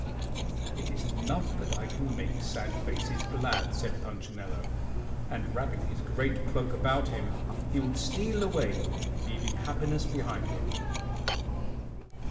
"It is enough that I can make sad faces glad," said Punchinello, and wrapping his great cloak about him, he would steal away, leaving happiness behind him.